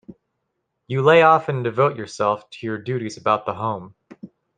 You lay off and devote yourself to your duties about the home.